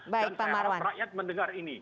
dan saya harap rakyat mendengar ini